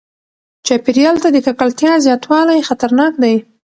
چاپیریال ته د ککړتیا زیاتوالی خطرناک دی.